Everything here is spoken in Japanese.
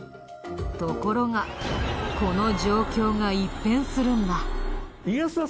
ところがこの状況が一変するんだ。